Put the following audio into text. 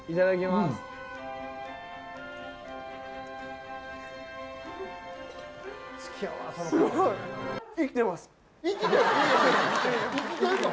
すごい！生きてる？